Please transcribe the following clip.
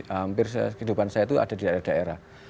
hampir kehidupan saya itu ada di daerah daerah